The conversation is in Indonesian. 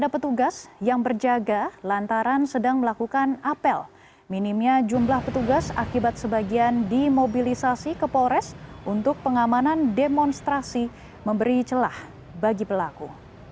pertama kejadian yang terjadi memberi celah bagi pelaku